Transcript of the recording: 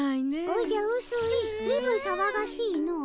おじゃうすいずいぶんさわがしいの。